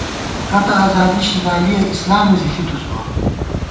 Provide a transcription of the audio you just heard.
کتہ اَزادی شِگالِیَہ ، اِسلامے زی ݪِتُس بہ